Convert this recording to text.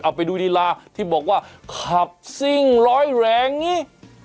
เอาไปดูลีลาที่บอกว่าขับซิ่งร้อยแรงนี่